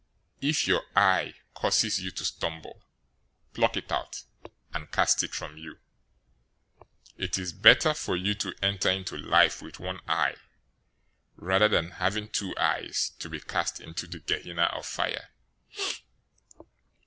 018:009 If your eye causes you to stumble, pluck it out, and cast it from you. It is better for you to enter into life with one eye, rather than having two eyes to be cast into the Gehenna{or, Hell} of fire.